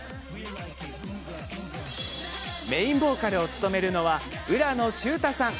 メインボーカルを務めるのは浦野秀太さん。